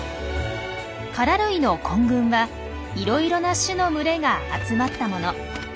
カラ類の混群はいろいろな種の群れが集まったもの。